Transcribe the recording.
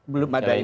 belum ada itu